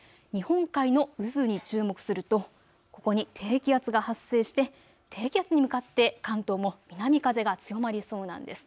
日本海の渦に注目すると、ここに低気圧が発生して低気圧に向かって関東も南風が強まりそうなんです。